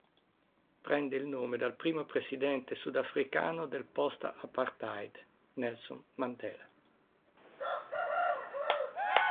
Prende il nome dal primo presidente sudafricano del post-"apartheid", Nelson Mandela.